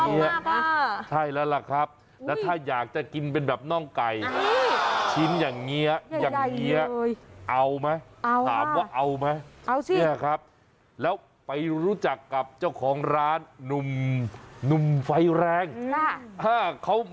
นี่อย่างนี้อย่างนี้ใช่แล้วล่ะครับ